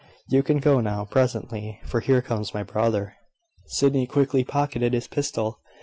You can go now, presently, for here comes my brother." Sydney quickly pocketed his pistol.